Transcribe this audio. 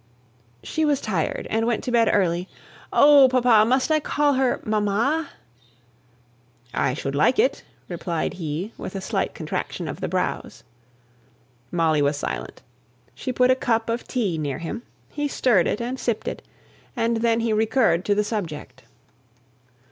"She was tired, and went to bed early. Oh, papa! must I call her 'mamma?'" "I should like it," replied he, with a slight contraction of the brows. Molly was silent. She put a cup of tea near him; he stirred it, and sipped it, and then he recurred to the subject.